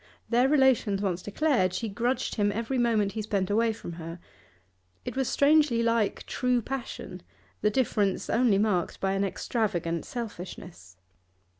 Their relations once declared, she grudged him every moment he spent away from her. It was strangely like true passion, the difference only marked by an extravagant selfishness.